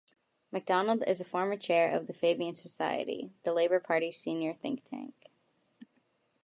MacDonald is a former Chair of the Fabian Society, the Labour Party's senior think-tank.